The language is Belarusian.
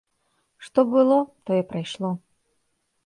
Што было, тое прайшло.